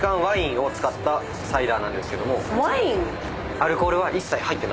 アルコールは一切入ってないと。